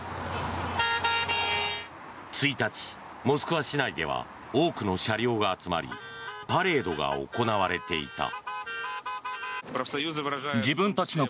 １日、モスクワ市内では多くの車両が集まりパレードが行われていた。